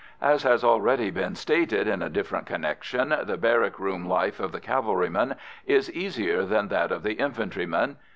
As has already been stated in a different connection, the barrack room life of the cavalryman is easier than that of the infantryman.